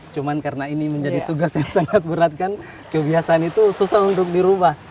cuma karena ini menjadi tugas yang sangat berat kan kebiasaan itu susah untuk dirubah